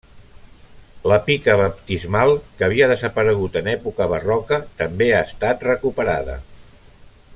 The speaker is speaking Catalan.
La pica baptismal, que havia desaparegut en època barroca, també ha estat recuperada.